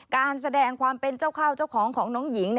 การแสดงความเป็นเจ้าข้าวเจ้าของของน้องหญิง